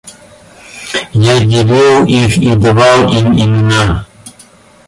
Я делил их и давал им имена.